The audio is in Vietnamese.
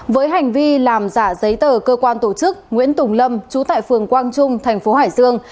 với hành vi làm giả giấy tờ cơ quan tổ chức nguyễn tùng lâm chú tại phường quang trung thành phố hải dương